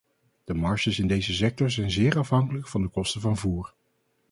De marges in deze sector zijn zeer afhankelijk van de kosten van voer.